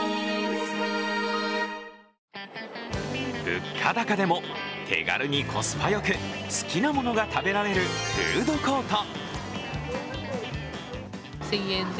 物価高でも手軽にコスパよく好きなものが食べられるフードコート。